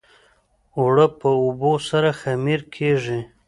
اوړه په اوبو سره خمیر کېږي